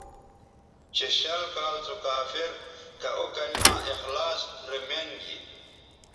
چہ شل کال سو کافر کہ او کلما اخلاص رے مین گی